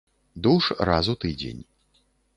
Душ раз у тыдзень.